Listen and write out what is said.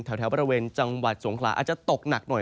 แถวบริเวณจังหวัดสงขลาอาจจะตกหนักหน่อย